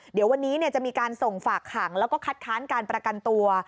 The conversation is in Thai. เดี๋ยววันนี้จะมีการส่งฝากขังแล้วก็คัดค้านการประกันตัว